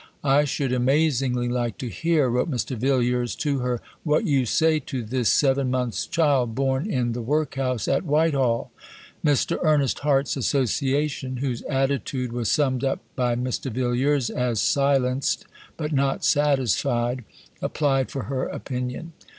"I should amazingly like to hear," wrote Mr. Villiers to her, "what you say to this seven months' child born in the workhouse at Whitehall." Mr. Ernest Hart's Association, whose attitude was summed up by Mr. Villiers as "silenced but not satisfied," applied for her opinion.